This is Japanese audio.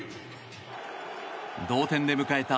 同点で迎えた